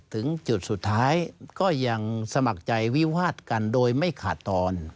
ถึงจุดสุดท้ายก็ยังสมัครใจวิวาดกันโดยไม่ขาดตอน